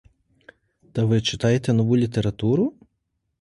Та ви читаєте нову літературу?